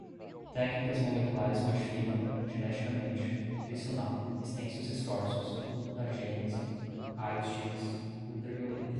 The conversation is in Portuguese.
técnicas moleculares, modificam, geneticamente, nutricional, extensos esforços, mutagênese, raios X, ultravioleta